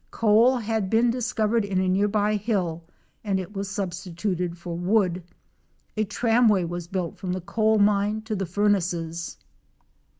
Coal had been discovered in a near by hill and it was substituted for wood, A tramway was built from the coal mine to the furnaces.